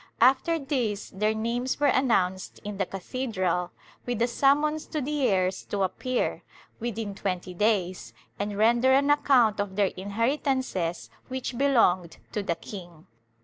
After this their names were announced in the cathedral, with a summons to the heirs to appear, within twenty days, and render an account of their inheritances which belonged to the king.